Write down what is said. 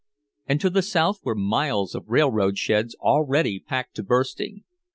And to the South were miles of railroad sheds already packed to bursting.